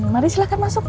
mari silahkan masuk